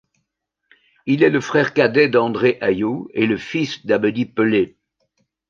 Il est le frère cadet d'André Ayew et le fils d'Abedi Pelé.